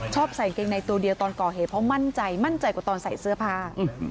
ใส่กางเกงในตัวเดียวตอนก่อเหตุเพราะมั่นใจมั่นใจกว่าตอนใส่เสื้อผ้า